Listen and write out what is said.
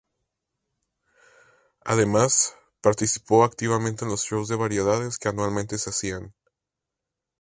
Además, participó activamente en los shows de variedades que anualmente se hacían.